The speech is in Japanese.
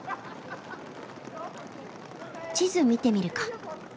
地図見てみるか。